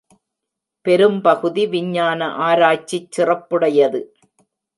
பெரும் பகுதி விஞ்ஞான ஆராய்ச்சிச் சிறப்புடையது.